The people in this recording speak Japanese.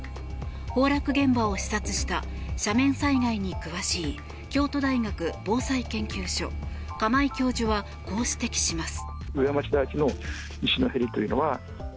崩落現場を視察した斜面災害に詳しい京都大学防災研究所釜井教授はこう指摘します。